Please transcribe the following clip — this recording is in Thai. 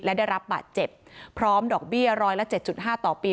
และได้รับบาดเจ็บพร้อมดอกเบี้ยร้อยละ๗๕ต่อปี